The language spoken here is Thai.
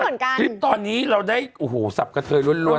หลังจากคลิปตอนนี้เราได้โอ้โฮสับกระเทยรวน